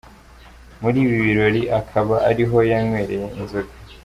Muri ibi birori akaba ariho yanywereye inzoga.